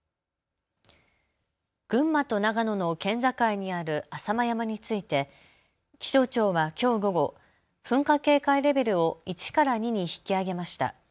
群馬と長野の県境にある浅間山について気象庁はきょう午後、噴火警戒レベルを１から２に引き上げました。